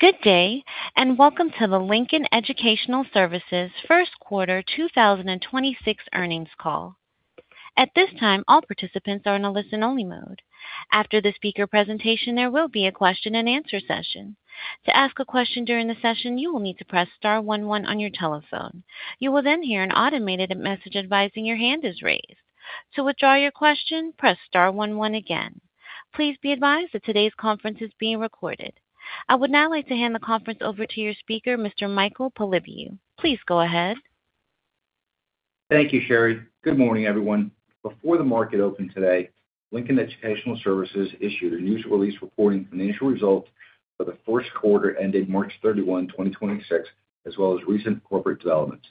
Good day. Welcome to the Lincoln Educational Services First Quarter 2026 Earnings Call. At this time, all participants are in a listen-only mode. After the speaker presentation, there will be a question-and-answer session. To ask a question during the session, you will need to press star one one on your telephone. You will hear an automated message advising your hand is raised. To withdraw your question, press star one one again. Please be advised that today's conference is being recorded. I would now like to hand the conference over to your speaker, Mr. Michael Polyviou. Please go ahead. Thank you, Sherry. Good morning, everyone. Before the market opened today, Lincoln Educational Services issued a news release reporting financial results for the first quarter ending March 31, 2026, as well as recent corporate developments.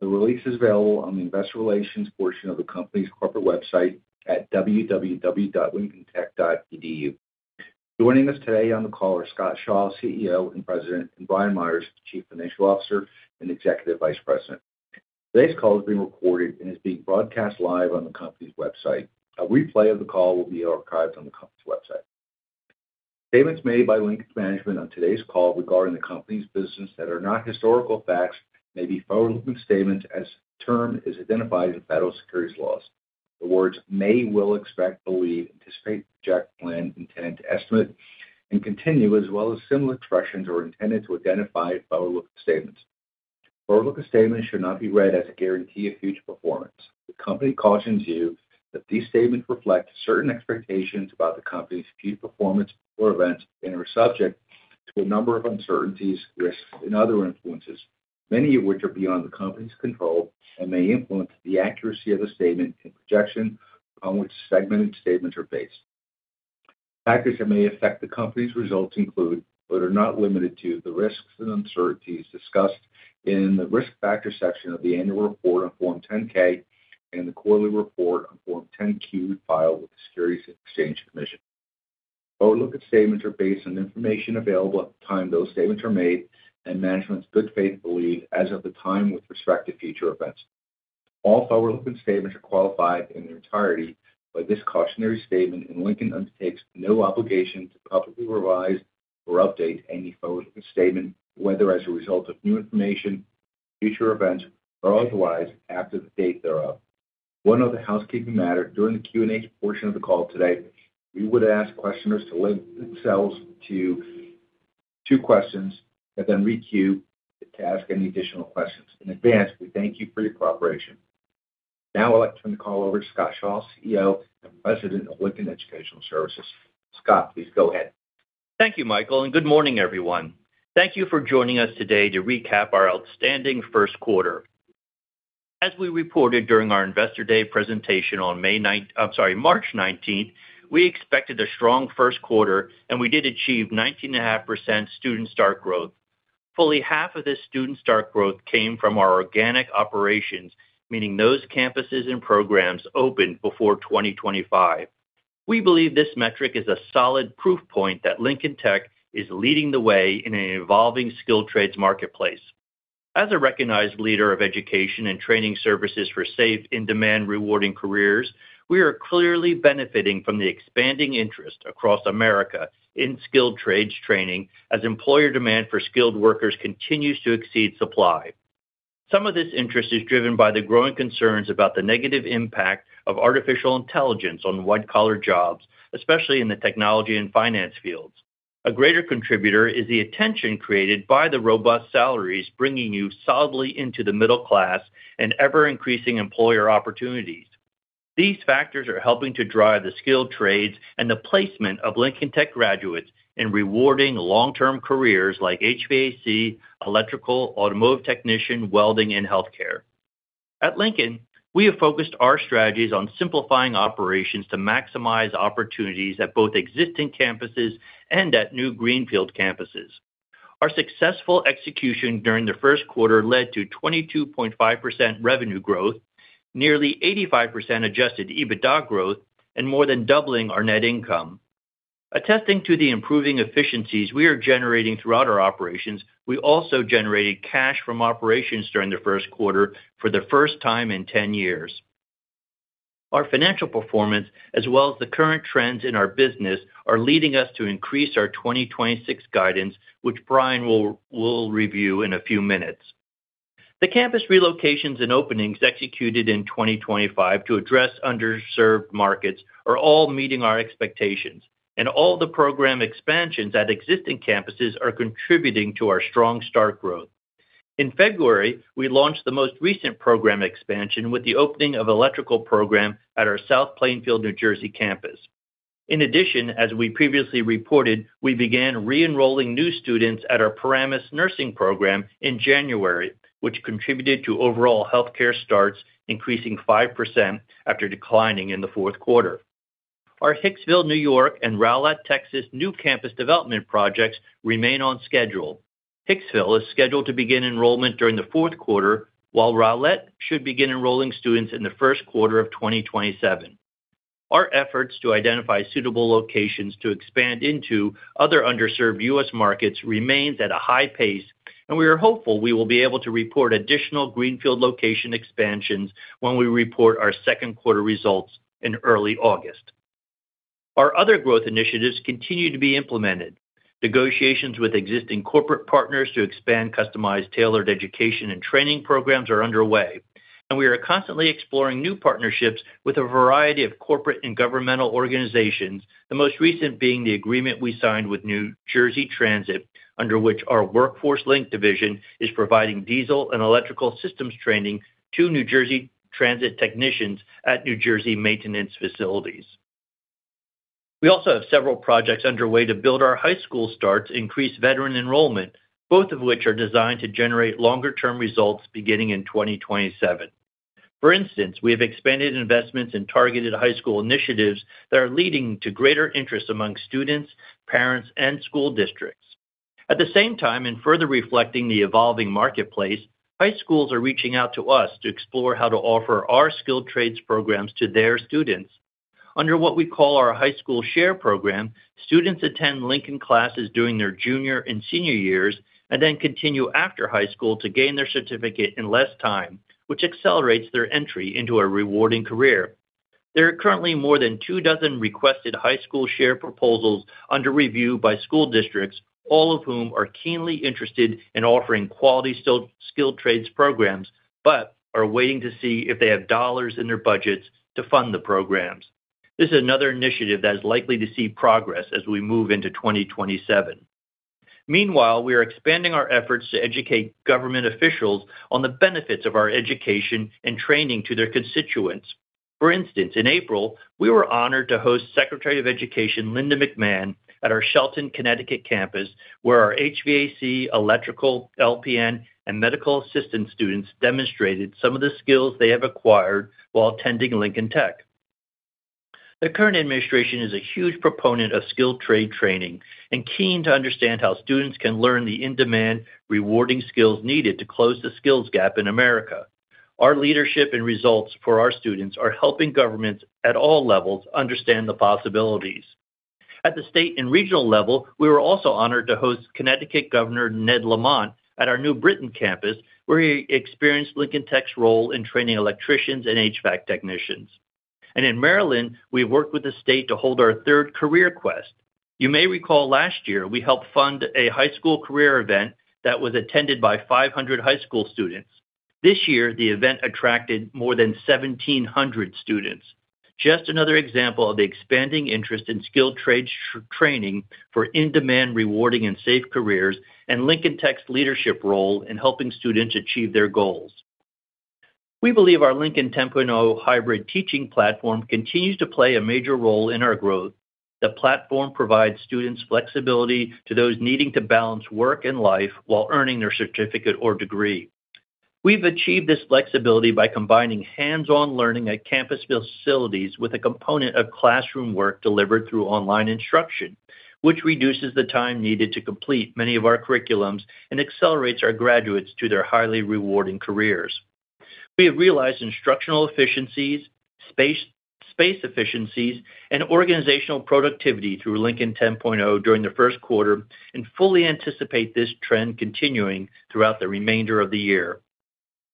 The release is available on the investor relations portion of the company's corporate website at www.lincolntech.edu. Joining us today on the call are Scott Shaw, CEO and President, and Brian Meyers, Chief Financial Officer and Executive Vice President. Today's call is being recorded and is being broadcast live on the company's website. A replay of the call will be archived on the company's website. Statements made by Lincoln's management on today's call regarding the company's business that are not historical facts may be forward-looking statements as the term is identified in federal securities laws. The words may, will, expect, believe, anticipate, project, plan, intent, estimate, and continue, as well as similar expressions, are intended to identify forward-looking statements. Forward-looking statements should not be read as a guarantee of future performance. The company cautions you that these statements reflect certain expectations about the company's future performance or events and are subject to a number of uncertainties, risks, and other influences, many of which are beyond the company's control and may influence the accuracy of the statement and projection upon which segmented statements are based. Factors that may affect the company's results include, but are not limited to, the risks and uncertainties discussed in the Risk Factors section of the annual report on Form 10-K and the quarterly report on Form 10-Q filed with the Securities and Exchange Commission. Forward-looking statements are based on information available at the time those statements are made and management's good faith belief as of the time with respect to future events. All forward-looking statements are qualified in their entirety by this cautionary statement, and Lincoln undertakes no obligation to publicly revise or update any forward-looking statement, whether as a result of new information, future events, or otherwise after the date thereof. One other housekeeping matter. During the Q&A portion of the call today, we would ask questioners to limit themselves to two questions and then re-queue to ask any additional questions. In advance, we thank you for your cooperation. Now I'd like to turn the call over to Scott Shaw, CEO and President of Lincoln Educational Services. Scott, please go ahead. Thank you, Michael, good morning, everyone. Thank you for joining us today to recap our outstanding first quarter. As we reported during our Investor Day presentation on March 19th, we expected a strong first quarter, and we did achieve 19.5% student start growth. Fully half of this student start growth came from our organic operations, meaning those campuses and programs opened before 2025. We believe this metric is a solid proof point that Lincoln Tech is leading the way in an evolving skilled trades marketplace. As a recognized leader of education and training services for safe, in-demand, rewarding careers, we are clearly benefiting from the expanding interest across America in skilled trades training as employer demand for skilled workers continues to exceed supply. Some of this interest is driven by the growing concerns about the negative impact of artificial intelligence on white-collar jobs, especially in the technology and finance fields. A greater contributor is the attention created by the robust salaries bringing you solidly into the middle class and ever-increasing employer opportunities. These factors are helping to drive the skilled trades and the placement of Lincoln Tech graduates in rewarding long-term careers like HVAC, electrical, automotive technician, welding, and healthcare. At Lincoln, we have focused our strategies on simplifying operations to maximize opportunities at both existing campuses and at new greenfield campuses. Our successful execution during the first quarter led to 22.5% revenue growth, nearly 85% adjusted EBITDA growth, and more than doubling our net income. Attesting to the improving efficiencies we are generating throughout our operations, we also generated cash from operations during the first quarter for the first time in 10 years. Our financial performance, as well as the current trends in our business, are leading us to increase our 2026 guidance, which Brian will review in a few minutes. The campus relocations and openings executed in 2025 to address underserved markets are all meeting our expectations, and all the program expansions at existing campuses are contributing to our strong start growth. In February, we launched the most recent program expansion with the opening of electrical program at our South Plainfield, New Jersey campus. In addition, as we previously reported, we began re-enrolling new students at our Paramus nursing program in January, which contributed to overall healthcare starts increasing 5% after declining in the fourth quarter. Our Hicksville, New York, and Rowlett, Texas, new campus development projects remain on schedule. Hicksville is scheduled to begin enrollment during the fourth quarter, while Rowlett should begin enrolling students in the first quarter of 2027. Our efforts to identify suitable locations to expand into other underserved U.S. markets remains at a high pace, and we are hopeful we will be able to report additional greenfield location expansions when we report our second quarter results in early August. Our other growth initiatives continue to be implemented. Negotiations with existing corporate partners to expand customized tailored education and training programs are underway, and we are constantly exploring new partnerships with a variety of corporate and governmental organizations, the most recent being the agreement we signed with New Jersey Transit, under which our WorkforceLinc division is providing diesel and electrical systems training to New Jersey Transit technicians at New Jersey maintenance facilities. We also have several projects underway to build our high school starts increased veteran enrollment, both of which are designed to generate longer-term results beginning in 2027. For instance, we have expanded investments in targeted high school initiatives that are leading to greater interest among students, parents, and school districts. At the same time, in further reflecting the evolving marketplace, high schools are reaching out to us to explore how to offer our skilled trades programs to their students. Under what we call our High School Share Program, students attend Lincoln classes during their junior and senior years and then continue after high school to gain their certificate in less time, which accelerates their entry into a rewarding career. There are currently more than two dozen requested High School Share proposals under review by school districts, all of whom are keenly interested in offering quality skilled trades programs but are waiting to see if they have dollars in their budgets to fund the programs. This is another initiative that is likely to see progress as we move into 2027. Meanwhile, we are expanding our efforts to educate government officials on the benefits of our education and training to their constituents. For instance, in April, we were honored to host Secretary of Education Linda McMahon at our Shelton, Connecticut campus, where our HVAC, electrical, LPN, and medical assistance students demonstrated some of the skills they have acquired while attending Lincoln Tech. The current administration is a huge proponent of skilled trade training and keen to understand how students can learn the in-demand, rewarding skills needed to close the skills gap in America. Our leadership and results for our students are helping governments at all levels understand the possibilities. At the state and regional level, we were also honored to host Connecticut Governor Ned Lamont at our New Britain campus, where he experienced Lincoln Tech's role in training electricians and HVAC technicians. In Maryland, we worked with the state to hold our third CareerQuest. You may recall last year we helped fund a high school career event that was attended by 500 high school students. This year, the event attracted more than 1,700 students. Just another example of the expanding interest in skilled trades training for in-demand, rewarding, and safe careers and Lincoln Tech's leadership role in helping students achieve their goals. We believe our Lincoln 10.0 hybrid teaching platform continues to play a major role in our growth. The platform provides students flexibility to those needing to balance work and life while earning their certificate or degree. We've achieved this flexibility by combining hands-on learning at campus facilities with a component of classroom work delivered through online instruction, which reduces the time needed to complete many of our curriculums and accelerates our graduates to their highly rewarding careers. We have realized instructional efficiencies, space efficiencies, and organizational productivity through Lincoln 10.0 during the first quarter and fully anticipate this trend continuing throughout the remainder of the year.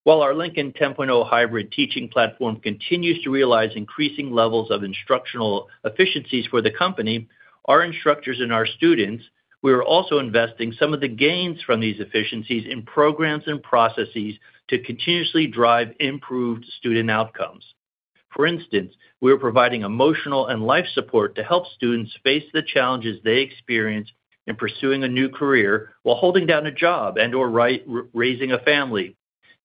While our Lincoln 10.0 hybrid teaching platform continues to realize increasing levels of instructional efficiencies for the company, our instructors and our students, we are also investing some of the gains from these efficiencies in programs and processes to continuously drive improved student outcomes. For instance, we are providing emotional and life support to help students face the challenges they experience in pursuing a new career while holding down a job and/or raising a family.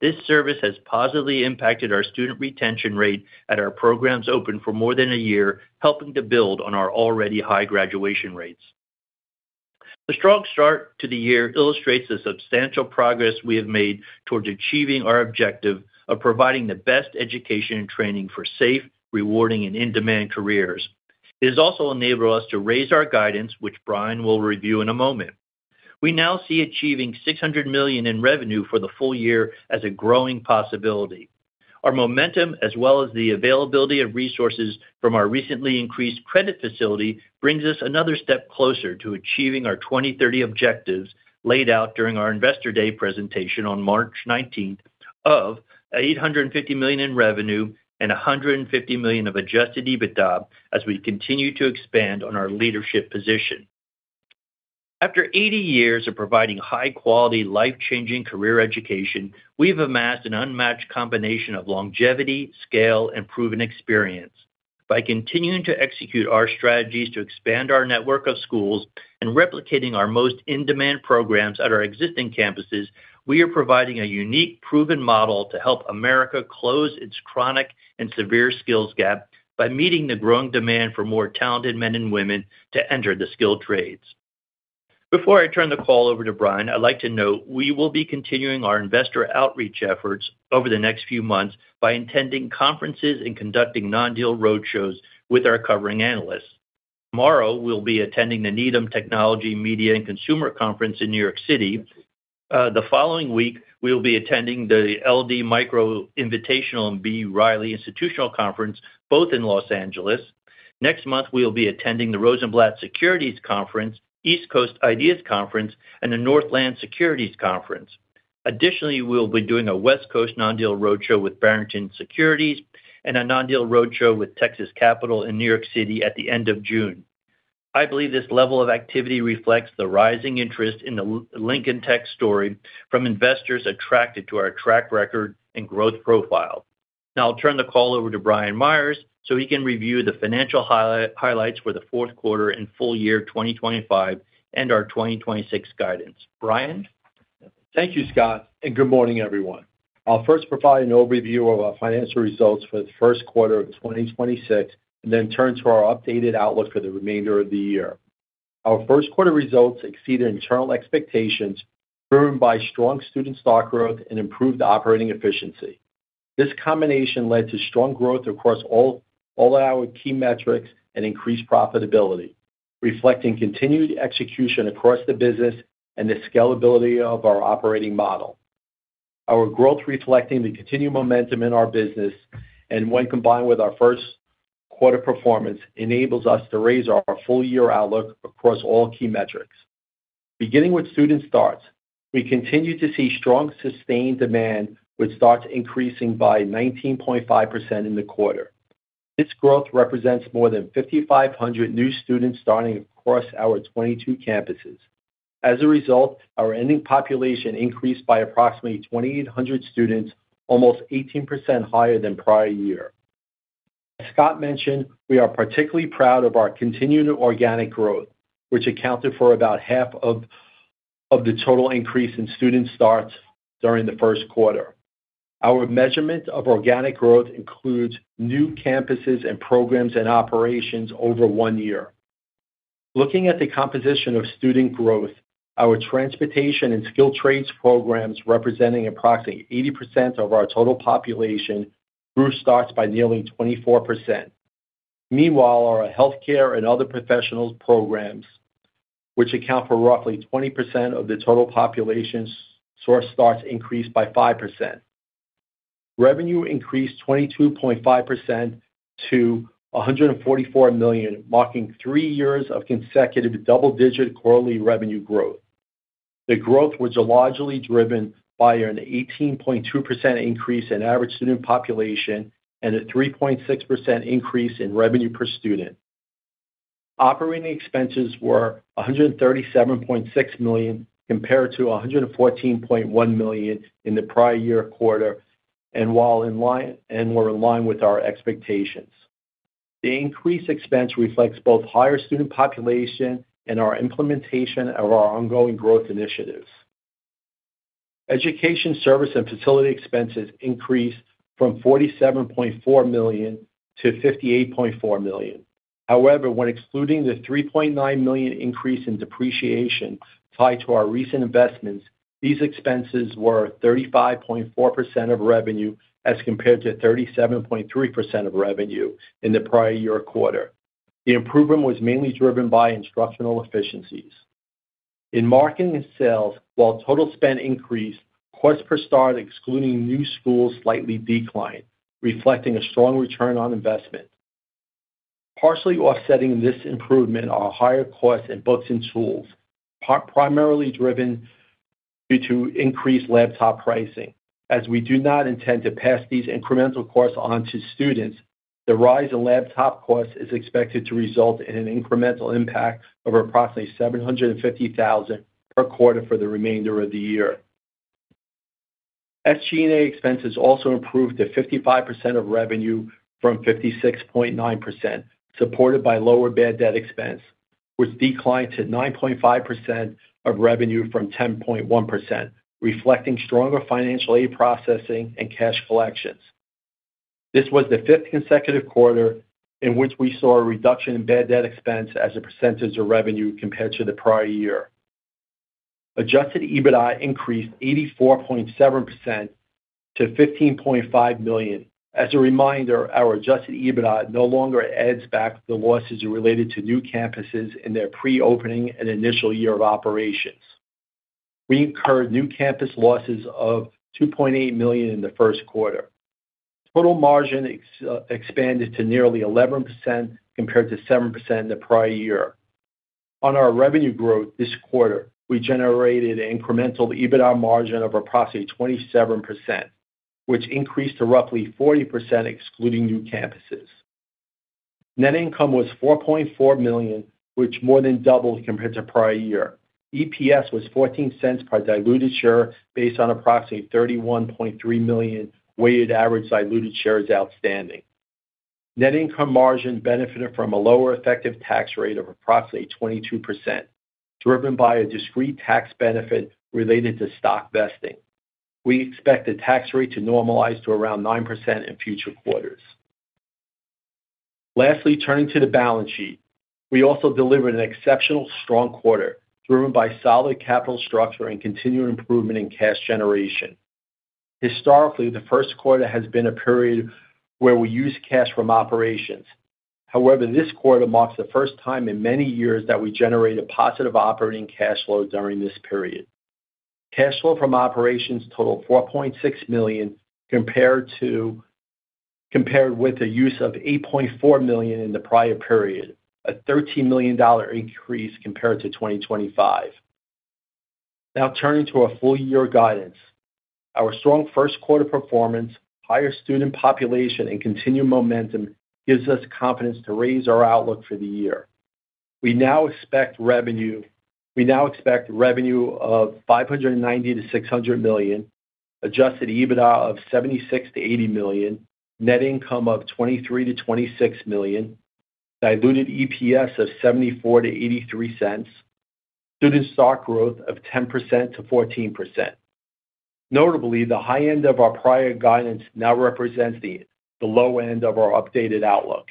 This service has positively impacted our student retention rate at our programs open for more than a year, helping to build on our already high graduation rates. The strong start to the year illustrates the substantial progress we have made towards achieving our objective of providing the best education and training for safe, rewarding and in-demand careers. It has also enabled us to raise our guidance, which Brian will review in a moment. We now see achieving $600 million in revenue for the full year as a growing possibility. Our momentum, as well as the availability of resources from our recently increased credit facility, brings us another step closer to achieving our 2030 objectives laid out during our Investor Day presentation on March 19th of $850 million in revenue and $150 million of adjusted EBITDA as we continue to expand on our leadership position. After 80 years of providing high-quality, life-changing career education, we've amassed an unmatched combination of longevity, scale, and proven experience. By continuing to execute our strategies to expand our network of schools and replicating our most in-demand programs at our existing campuses, we are providing a unique, proven model to help America close its chronic and severe skills gap by meeting the growing demand for more talented men and women to enter the skilled trades. Before I turn the call over to Brian, I'd like to note we will be continuing our investor outreach efforts over the next few months by attending conferences and conducting non-deal roadshows with our covering analysts. Tomorrow, we'll be attending the Needham Technology, Media, and Consumer Conference in New York City. The following week, we will be attending the LD Micro Invitational and B. Riley Institutional Conference, both in Los Angeles. Next month, we will be attending the Rosenblatt Technology Summit, East Coast IDEAS Conference, and the Northland Growth Conference. We'll be doing a West Coast non-deal roadshow with Barrington Research and a non-deal roadshow with Texas Capital Bank in New York City at the end of June. I believe this level of activity reflects the rising interest in the Lincoln Tech story from investors attracted to our track record and growth profile. Now I'll turn the call over to Brian Meyers, so he can review the financial highlights for the fourth quarter and full year 2025 and our 2026 guidance. Brian? Thank you, Scott, and good morning, everyone. I'll first provide an overview of our financial results for the first quarter of 2026, then turn to our updated outlook for the remainder of the year. Our first quarter results exceeded internal expectations, driven by strong student start growth and improved operating efficiency. This combination led to strong growth across all our key metrics and increased profitability, reflecting continued execution across the business and the scalability of our operating model. Our growth reflecting the continued momentum in our business, when combined with our first quarter performance, enables us to raise our full-year outlook across all key metrics. Beginning with student starts, we continue to see strong sustained demand, with starts increasing by 19.5% in the quarter. This growth represents more than 5,500 new students starting across our 22 campuses. As a result, our ending population increased by approximately 2,800 students, almost 18% higher than prior year. As Scott mentioned, we are particularly proud of our continued organic growth, which accounted for about half of the total increase in student starts during the first quarter. Our measurement of organic growth includes new campuses and programs and operations over one year. Looking at the composition of student growth, our transportation and skilled trades programs, representing approximately 80% of our total population, grew starts by nearly 24%. Meanwhile, our Healthcare and Other Professions programs, which account for roughly 20% of the total population, saw starts increase by 5%. Revenue increased 22.5% to $144 million, marking three years of consecutive double-digit quarterly revenue growth. The growth was largely driven by an 18.2% increase in average student population and a 3.6% increase in revenue per student. Operating expenses were $137.6 million compared to $114.1 million in the prior year quarter, and were in line with our expectations. The increased expense reflects both higher student population and our implementation of our ongoing growth initiatives. Education service and facility expenses increased from $47.4 million to $58.4 million. However, when excluding the $3.9 million increase in depreciation tied to our recent investments, these expenses were 35.4% of revenue as compared to 37.3% of revenue in the prior year quarter. The improvement was mainly driven by instructional efficiencies. In marketing and sales, while total spend increased, cost per start excluding new schools slightly declined, reflecting a strong return on investment. Partially offsetting this improvement are higher costs in books and tools, primarily driven due to increased laptop pricing. As we do not intend to pass these incremental costs on to students, the rise in laptop costs is expected to result in an incremental impact of approximately $750,000 per quarter for the remainder of the year. SG&A expenses also improved to 55% of revenue from 56.9%, supported by lower bad debt expense, which declined to 9.5% of revenue from 10.1%, reflecting stronger financial aid processing and cash collections. This was the fifth consecutive quarter in which we saw a reduction in bad debt expense as a percentage of revenue compared to the prior year. Adjusted EBITDA increased 84.7% to $15.5 million. As a reminder, our Adjusted EBITDA no longer adds back the losses related to new campuses in their pre-opening and initial year of operations. We incurred new campus losses of $2.8 million in the first quarter. Total margin expanded to nearly 11% compared to 7% in the prior year. On our revenue growth this quarter, we generated an incremental EBITDA margin of approximately 27%, which increased to roughly 40% excluding new campuses. Net income was $4.4 million, which more than doubled compared to prior year. EPS was $0.14 per diluted share based on approximately 31.3 million weighted average diluted shares outstanding. Net income margin benefited from a lower effective tax rate of approximately 22%, driven by a discrete tax benefit related to stock vesting. We expect the tax rate to normalize to around 9% in future quarters. Lastly, turning to the balance sheet. We also delivered an exceptional strong quarter, driven by solid capital structure and continued improvement in cash generation. Historically, the first quarter has been a period where we use cash from operations. However, this quarter marks the first time in many years that we generated positive operating cash flow during this period. Cash flow from operations totaled $4.6 million Compared with the use of $8.4 million in the prior period, a $13 million increase compared to 2025. Turning to our full year guidance. Our strong first quarter performance, higher student population, and continued momentum gives us confidence to raise our outlook for the year. We now expect revenue of $590 million-$600 million, adjusted EBITDA of $76 million-$80 million, net income of $23 million-$26 million, diluted EPS of $0.74-$0.83, student stock growth of 10%-14%. Notably, the high end of our prior guidance now represents the low end of our updated outlook.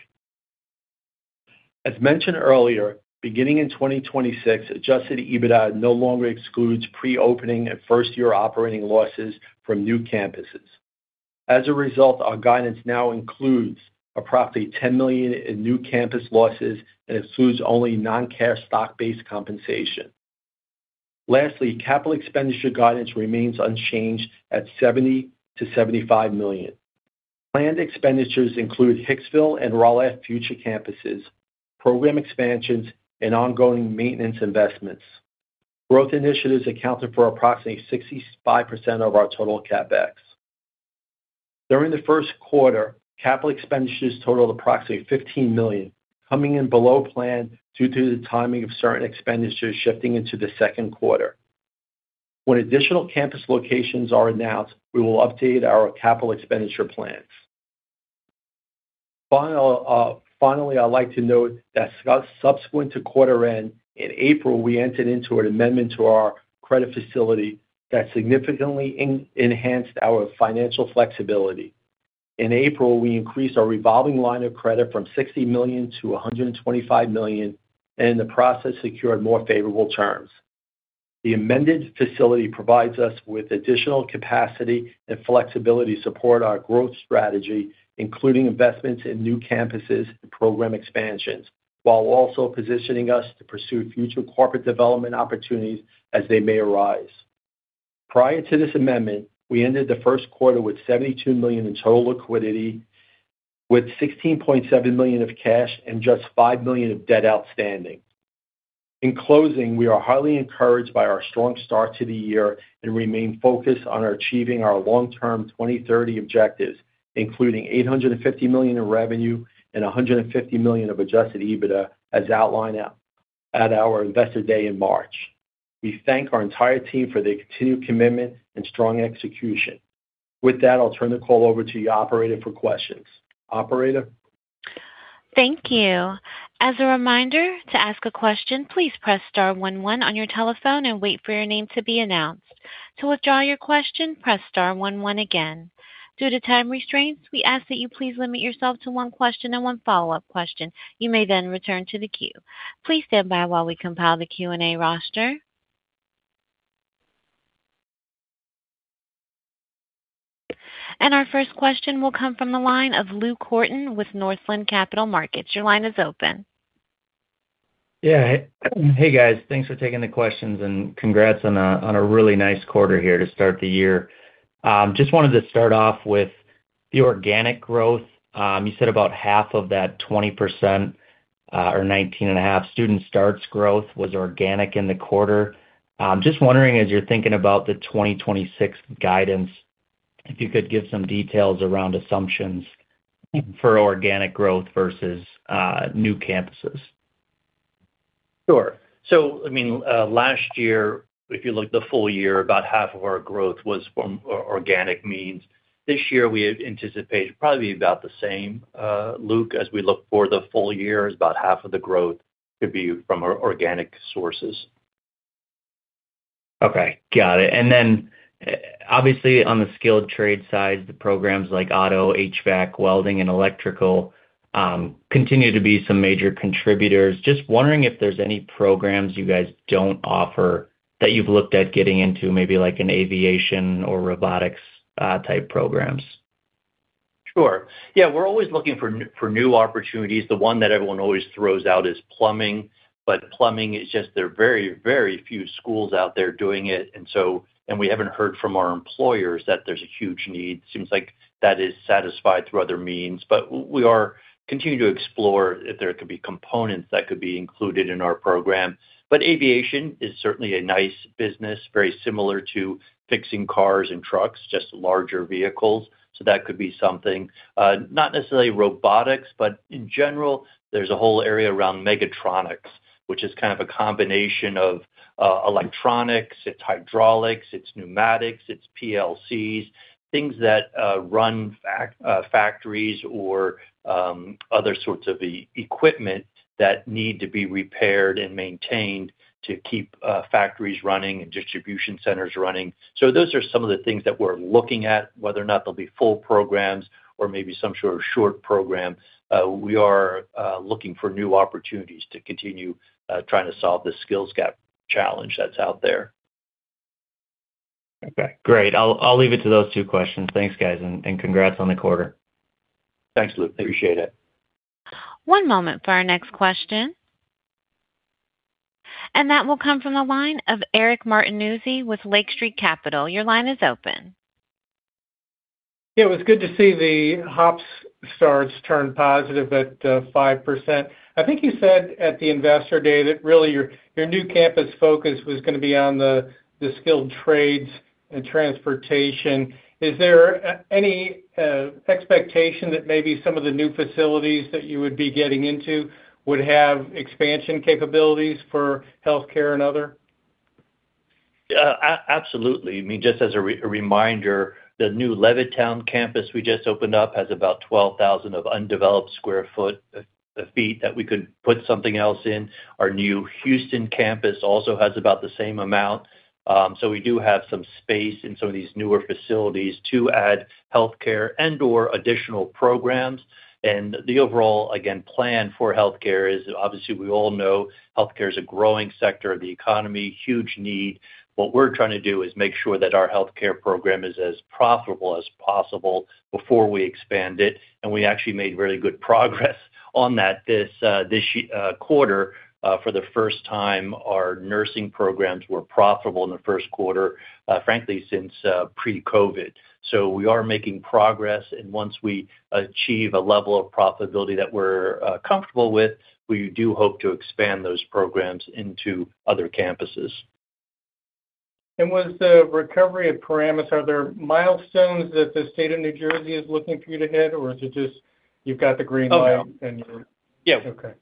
As mentioned earlier, beginning in 2026, adjusted EBITDA no longer excludes pre-opening and first-year operating losses from new campuses. As a result, our guidance now includes approximately $10 million in new campus losses and excludes only non-cash stock-based compensation. Lastly, capital expenditure guidance remains unchanged at $70 million-$75 million. Planned expenditures include Hicksville and Rowlett future campuses, program expansions, and ongoing maintenance investments. Growth initiatives accounted for approximately 65% of our total CapEx. During the first quarter, capital expenditures totaled approximately $15 million, coming in below plan due to the timing of certain expenditures shifting into the second quarter. When additional campus locations are announced, we will update our capital expenditure plans. Finally, I'd like to note that subsequent to quarter end, in April, we entered into an amendment to our credit facility that significantly enhanced our financial flexibility. In April, we increased our revolving line of credit from $60 million to $125 million, and in the process, secured more favorable terms. The amended facility provides us with additional capacity and flexibility to support our growth strategy, including investments in new campuses and program expansions, while also positioning us to pursue future corporate development opportunities as they may arise. Prior to this amendment, we ended the first quarter with $72 million in total liquidity, with $16.7 million of cash and just $5 million of debt outstanding. In closing, we are highly encouraged by our strong start to the year and remain focused on achieving our long-term 2030 objectives, including $850 million in revenue and $150 million of adjusted EBITDA as outlined at our Investor Day in March. We thank our entire team for their continued commitment and strong execution. With that, I'll turn the call over to the operator for questions. Operator? Thank you. As a reminder, to ask a question, please press star 11 on your telephone and wait for your name to be announced. To withdraw your question, press star 11 again. Due to time restraints, we ask that you please limit yourself to 1 question and 1 follow-up question. You may then return to the queue. Please stand by while we compile the Q&A roster. Our first question will come from the line of Luke Horton with Northland Capital Markets. Your line is open. Yeah. Hey, guys, thanks for taking the questions, and congrats on a really nice quarter here to start the year. Just wanted to start off with the organic growth. You said about half of that 20%, or 19.5 student starts growth was organic in the quarter. Just wondering, as you're thinking about the 2026 guidance, if you could give some details around assumptions for organic growth versus new campuses. Sure. I mean, last year, if you look the full year, about half of our growth was from organic means. This year, we anticipate probably about the same, Luke, as we look for the full year. About half of the growth to be from our organic sources. Okay. Got it. Obviously on the skilled trade side, the programs like auto, HVAC, welding, and electrical, continue to be some major contributors. Just wondering if there's any programs you guys don't offer that you've looked at getting into, maybe like an aviation or robotics, type programs. Sure. Yeah, we're always looking for new opportunities. The one that everyone always throws out is plumbing is just there very few schools out there doing it, we haven't heard from our employers that there's a huge need. Seems like that is satisfied through other means. We are continuing to explore if there could be components that could be included in our program. Aviation is certainly a nice business, very similar to fixing cars and trucks, just larger vehicles. That could be something. Not necessarily robotics, but in general, there's a whole area around mechatronics, which is kind of a combination of electronics, it's hydraulics, it's pneumatics, it's PLCs, things that run factories or other sorts of e-equipment that need to be repaired and maintained to keep factories running and distribution centers running. Those are some of the things that we're looking at, whether or not they'll be full programs or maybe some sort of short program. We are looking for new opportunities to continue trying to solve the skills gap challenge that's out there. Okay, great. I'll leave it to those two questions. Thanks, guys, and congrats on the quarter. Thanks, Luke. Appreciate it. One moment for our next question. That will come from the line of Eric Martinuzzi with Lake Street Capital. Your line is open. It was good to see the HOPS starts turn positive at 5%. I think you said at the Investor Day that really your new campus focus was gonna be on the skilled trades and transportation. Is there any expectation that maybe some of the new facilities that you would be getting into would have expansion capabilities for Healthcare and Other Professions? Just as a reminder, the new Levittown campus we just opened up has about 12,000 of undeveloped square feet that we could put something else in. Our new Houston campus also has about the same amount. We do have some space in some of these newer facilities to add healthcare and/or additional programs. The overall, again, plan for healthcare is obviously we all know healthcare is a growing sector of the economy. Huge need. What we're trying to do is make sure that our healthcare program is as profitable as possible before we expand it. We actually made very good progress on that this quarter. For the first time, our nursing programs were profitable in the first quarter, frankly, since pre-COVID. We are making progress. Once we achieve a level of profitability that we're comfortable with, we do hope to expand those programs into other campuses. With the recovery of Paramus, are there milestones that the state of New Jersey is looking for you to hit? Or is it just you've got the green light? Oh, yeah. And you're- Yeah. Okay.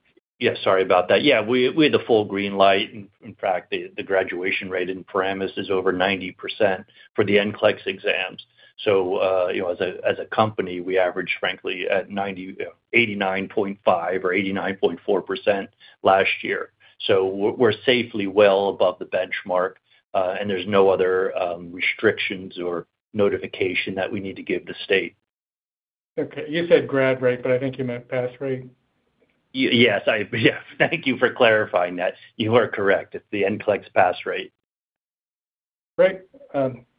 Yeah, sorry about that. We had the full green light. In fact, the graduation rate in Paramus is over 90% for the NCLEX exams. You know, as a company, we average frankly at 90, you know, 89.5 or 89.4% last year. We're safely well above the benchmark, and there's no other restrictions or notification that we need to give the state. Okay. You said grad rate, but I think you meant pass rate. Yes. Yeah. Thank you for clarifying that. You are correct. It's the NCLEX pass rate. Great.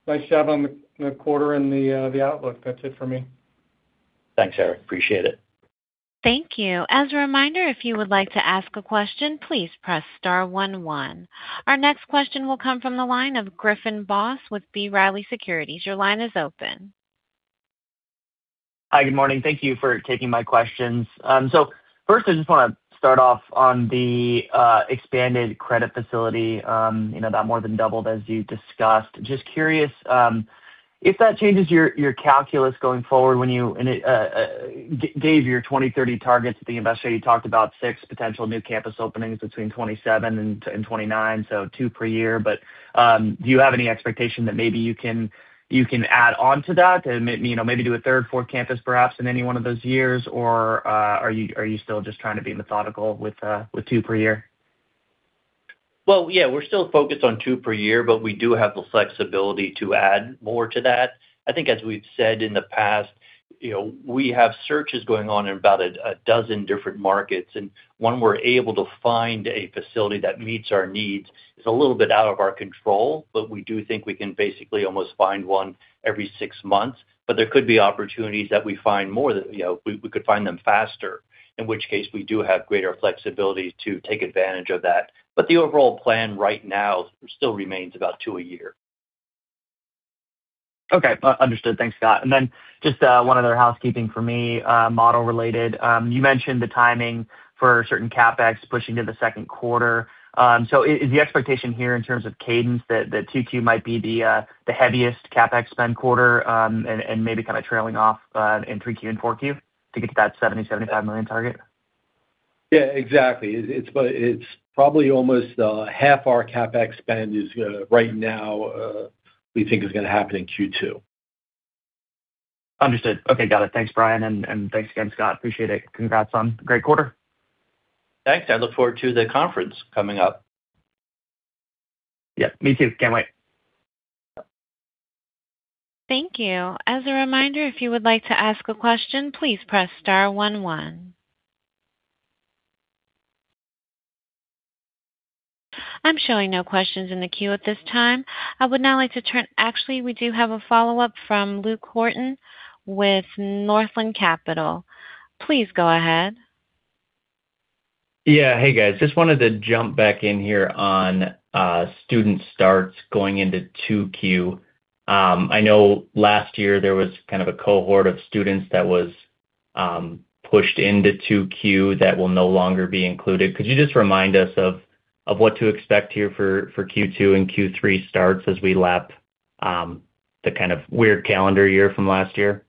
Nice job on the quarter and the outlook. That's it for me. Thanks, Eric. Appreciate it. Thank you. As a reminder, if you would like to ask a question, please press star one one. Our next question will come from the line of Griffin Boss with B. Riley Securities. Your line is open. Hi. Good morning. Thank you for taking my questions. So first, I just want to start off on the expanded credit facility, you know, that more than doubled as you discussed. Just curious if that changes your calculus going forward when you gave your 2030 targets at the Investor Day, you talked about 6 potential new campus openings between 2027 and 2029, so 2 per year. Do you have any expectation that maybe you can add on to that and may, you know, maybe do a third, fourth campus perhaps in any one of those years? Or are you still just trying to be methodical with 2 per year? Yeah, we're still focused on 2 per year, we do have the flexibility to add more to that. I think as we've said in the past, you know, we have searches going on in about a 12 different markets. When we're able to find a facility that meets our needs is a little bit out of our control, we do think we can basically almost find 1 every 6 months. There could be opportunities that we find more than, you know, we could find them faster, in which case we do have greater flexibility to take advantage of that. The overall plan right now still remains about 2 a year. Okay. Understood. Thanks, Scott. Then just one other housekeeping for me, model related. You mentioned the timing for certain CapEx pushing to the second quarter. Is the expectation here in terms of cadence that the 2Q might be the heaviest CapEx spend quarter, and maybe kinda trailing off in 3Q and 4Q to get to that $70 million-$75 million target? Yeah, exactly. It's probably almost half our CapEx spend is right now, we think is gonna happen in Q2. Understood. Okay, got it. Thanks, Brian. Thanks again, Scott. Appreciate it. Congrats on great quarter. Thanks. I look forward to the conference coming up. Yeah, me too. Can't wait. Thank you. As a reminder, if you would like to ask a question, please press star one one. I'm showing no questions in the queue at this time. Actually, we do have a follow-up from Luke Horton with Northland Capital. Please go ahead. Yeah. Hey, guys. Just wanted to jump back in here on student starts going into 2Q. I know last year there was kind of a cohort of students that was pushed into 2Q that will no longer be included. Could you just remind us of what to expect here for Q2 and Q3 starts as we lap the kind of weird calendar year from last year?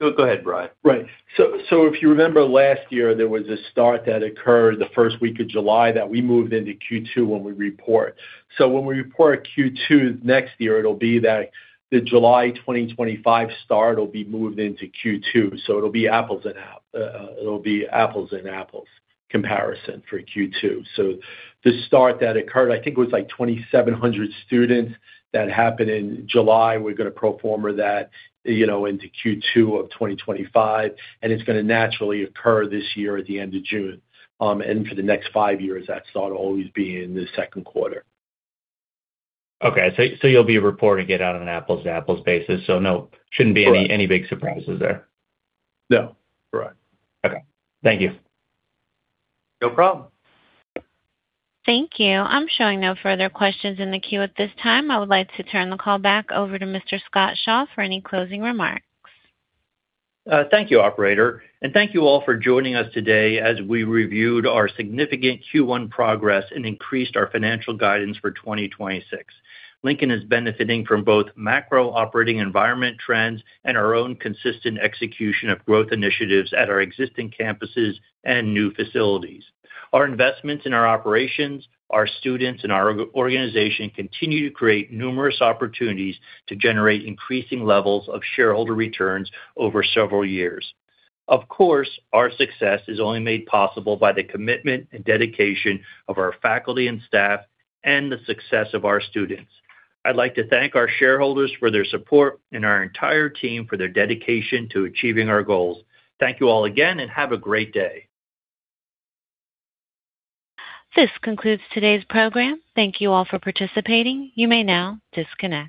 Go ahead, Brian. Right. If you remember last year, there was a start that occurred the first week of July that we moved into Q2 when we report. When we report Q2 next year, it'll be that the July 2025 start will be moved into Q2. It'll be apples and apples comparison for Q2. The start that occurred, I think it was like 2,700 students that happened in July. We're gonna pro forma that, you know, into Q2 of 2025, and it's gonna naturally occur this year at the end of June. For the next 5 years, that's gonna always be in the second quarter. Okay. You'll be reporting it out on an apples-to-apples basis, so, no. Correct. Any big surprises there? No. Correct. Okay. Thank you. No problem. Thank you. I am showing no further questions in the queue at this time. I would like to turn the call back over to Mr. Scott Shaw for any closing remarks. Thank you, operator, and thank you all for joining us today as we reviewed our significant Q1 progress and increased our financial guidance for 2026. Lincoln is benefiting from both macro operating environment trends and our own consistent execution of growth initiatives at our existing campuses and new facilities. Our investments in our operations, our students, and our organization continue to create numerous opportunities to generate increasing levels of shareholder returns over several years. Of course, our success is only made possible by the commitment and dedication of our faculty and staff and the success of our students. I'd like to thank our shareholders for their support and our entire team for their dedication to achieving our goals. Thank you all again. Have a great day. This concludes today's program. Thank you all for participating. You may now disconnect.